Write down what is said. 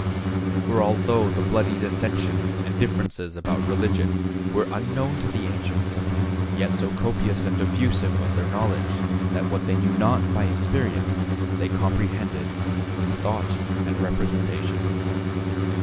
For although the bloody dissensions and differences about religion were unknown to the ancients, yet so copious and diffusive was their knowledge, that what they knew not by experience they comprehended in thought and representation.